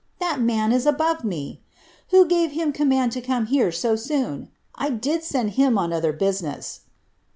— that man is above me ! Who gave him command to come here so loon ? I did send him on other business.'